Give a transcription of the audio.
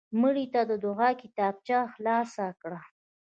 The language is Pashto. مړه ته د دعا کتابچه خلاص کړه